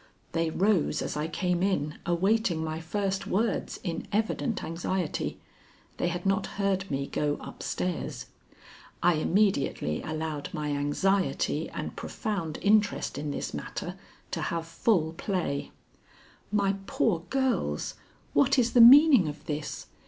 They rose as I came in, awaiting my first words in evident anxiety. They had not heard me go up stairs. I immediately allowed my anxiety and profound interest in this matter to have full play. "My poor girls! What is the meaning of this?